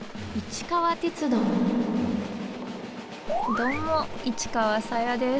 どうも市川紗椰です。